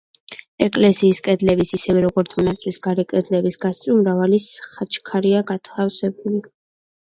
ეკლესიის კედლების, ისევე, როგორც მონასტრის გარე კედლების გასწვრივ მრავალი ხაჩქარია განთავსებული.